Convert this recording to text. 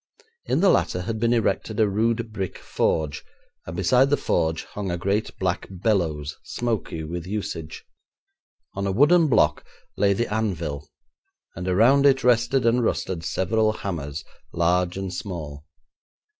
In the latter had been erected a rude brick forge, and beside the forge hung a great black bellows, smoky with usage. On a wooden block lay the anvil, and around it rested and rusted several hammers, large and small.